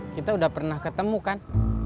kita udah pernah ketemu kan